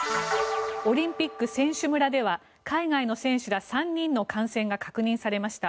オリンピック選手村では海外の選手ら３人の感染が確認されました。